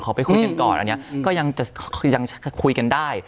เอาไปพูดกันก่อนก็ยังจะคุยกันได้